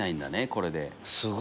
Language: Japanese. これで。